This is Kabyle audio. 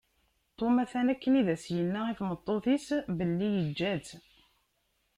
Tom atan akken i s-yenna i tmeṭṭut-is belli yeǧǧa-tt.